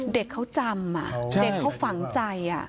เด็กเขาจำเด็กเขาฝังใจ